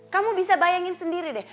kamu bisa bayangin sendiri deh